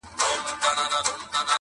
د کورنۍ بنسټ